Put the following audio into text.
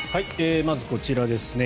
まずこちらですね。